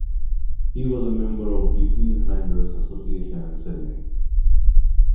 He was a member of the Queenslanders' Association in Sydney.